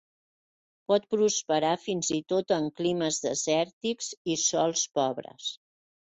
Pot prosperar fins i tot en climes desèrtics i sòls pobres.